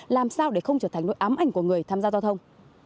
làm sao để không trở thành nỗi ám ảnh của người tham gia giao thông